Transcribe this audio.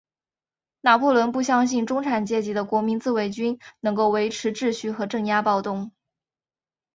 拿破仑不相信中产阶级的国民自卫军能够维持秩序和镇压暴动。